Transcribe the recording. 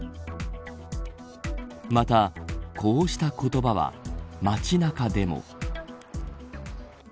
また、こうした言葉は街中でも。